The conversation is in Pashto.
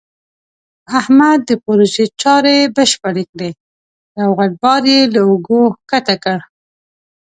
احمد د پروژې چارې بشپړې کړې. یو غټ بار یې له اوږو ښکته کړ.